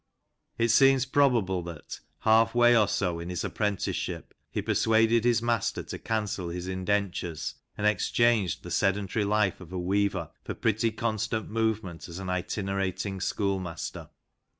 It seems probable that, half way or so in his apprenticeship, he persuaded his master to cancel his indentures, and ex changed the sedentary life of a weaver for pretty constant movement as an itinerating schoolmaster.